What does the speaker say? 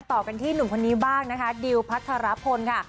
ต่อกันที่หนุ่มคนนี้บ้างนะคะดิวพัทรพลค่ะ